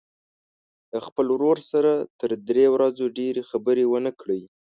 له خپل ورور سره تر درې ورځو ډېرې خبرې ونه کړي.